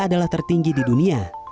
adalah tertinggi di dunia